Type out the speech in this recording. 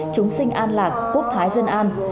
chúng sinh an lạc quốc thái dân an